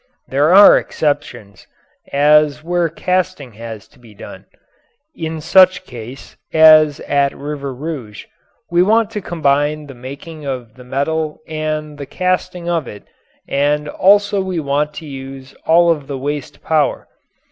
There are exceptions, as where casting has to be done. In such case, as at River Rouge, we want to combine the making of the metal and the casting of it and also we want to use all of the waste power.